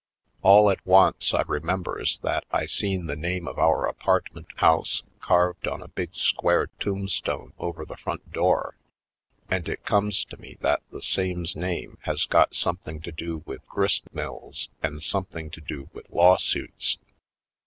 All at once I remembers that I seen the name of our apartment house carved on a big square tombstone over the front door, and it comes to me that the same's name has got some thing to do with grist mills and something to do with lav/suits.